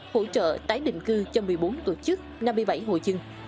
hỗ trợ tái định cư cho một mươi bốn tổ chức năm mươi bảy hội dân